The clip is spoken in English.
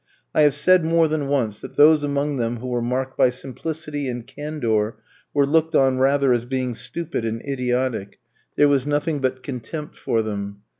I have said, more than once, that those among them who were marked by simplicity and candour were looked on rather as being stupid and idiotic; there was nothing but contempt for them.